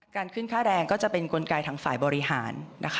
ขึ้นค่าแรงก็จะเป็นกลไกทางฝ่ายบริหาร